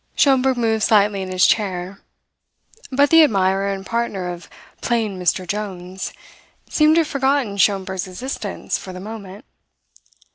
Schomberg moved slightly in his chair. But the admirer and partner of "plain Mr. Jones" seemed to have forgotten Schomberg's existence for the moment.